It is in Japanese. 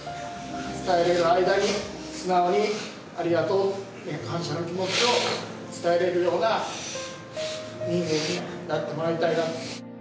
伝えれる間に、素直にありがとうって、感謝の気持ちを伝えれるような人間になってもらいたいなと。